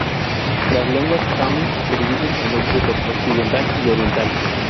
Las lenguas saami se dividen en dos grupos: occidental y oriental.